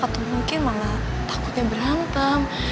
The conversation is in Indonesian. atau mungkin malah takutnya berantem